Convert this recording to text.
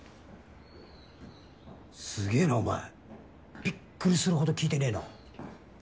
すげぇなお前びっくりするほど聞いてねぇな。